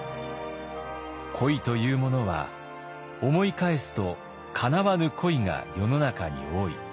「恋というものは思い返すとかなわぬ恋が世の中に多い。